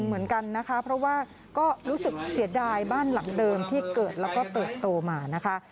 เหมือนกันนะคะเพราะว่าก็รู้สึกเสียดายบ้านหลังเดิมที่เกิดแล้วก็เติบโตมานะคะ